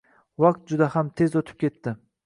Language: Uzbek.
Vaqt juda ham tez oʻtib ketdi.